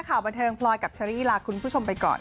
ข่าวบันเทิงพลอยกับเชอรี่ลาคุณผู้ชมไปก่อน